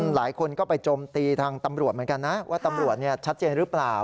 หลายคนก็ไปโจมตีทางตำรวจเหมือนกันนะว่าตำรวจชัดเจนหรือเปล่า